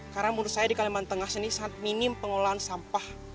karena menurut saya di kalimantan tengah sendiri sangat minim pengurangan sampah